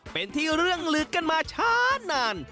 เป็นที่เรื่องลึกกันมาช้านาน